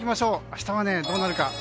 明日はどうなるか。